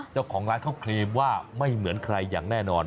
เจ้าของร้านเขาครีมว่าไม่เหมือนใครอย่างแน่นอน